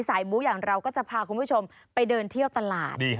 บู้อย่างเราก็จะพาคุณผู้ชมไปเดินเที่ยวตลาด